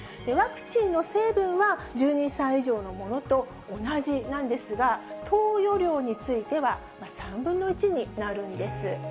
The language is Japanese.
ワクチンの成分は１２歳以上のものと同じなんですが、投与量については３分の１になるんです。